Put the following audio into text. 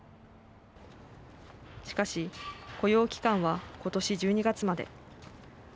しかし、雇用期間はことし１２月まで。